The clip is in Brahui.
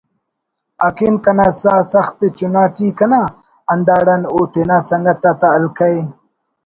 اَکن کنا ساہ سَخت ءِ چُنا ٹی کنا“ ہنداڑان او تینا سنگت آتا حلقہ ءِ